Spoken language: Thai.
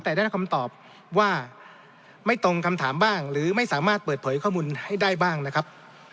แต่ได้รับคำตอบว่าไม่ตรงคำถามบ้างหรือไม่สามารถเปิดเผยข้อมูลให้ได้บ้างนะครับ